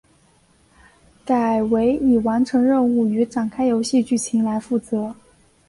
改为以完成任务与展开游戏剧情来负责。